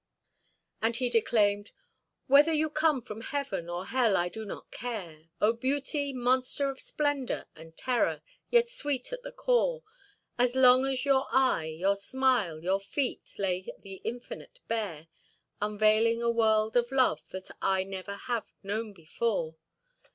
And he declaimed: "Whether you come from heaven or hell I do not care, O Beauty, monster of splendor and terror, yet sweet at the core, As long as your eye, your smile, your feet lay the infinite bare, Unveiling a world of love that I never have known before!